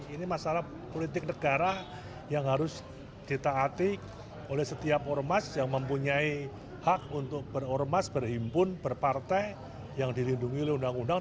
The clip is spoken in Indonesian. ini masalah politik negara yang harus ditaati oleh setiap ormas yang mempunyai hak untuk berormas berhimpun berpartai yang dilindungi oleh undang undang